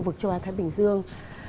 và khu vực thái bình dương